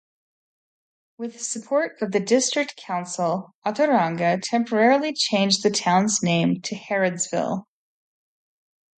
With support of the District Council, Otorohanga temporarily changed the town's name to Harrodsville.